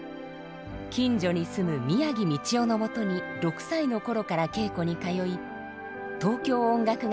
近所に住む宮城道雄のもとに６歳の頃から稽古に通い東京音楽